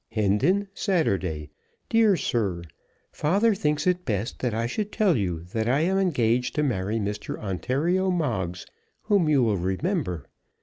Hendon, Saturday. DEAR SIR, Father thinks it best that I should tell you that I am engaged to marry Mr. Ontario Moggs, whom you will remember.